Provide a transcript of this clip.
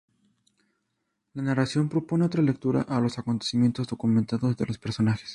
La narración propone otra lectura a los acontecimientos documentados de los personajes.